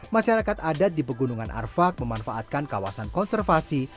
masyarakat adat di pegunungan arfak memanfaatkan kawasan konservasi